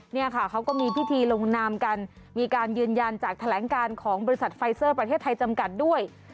เนี่ยค่ะเขาก็มีพิธีลงนามกันมีการยืนยันจากแถลงการของบริษัทไฟเซอร์ประเทศไทยจำกัดด้วย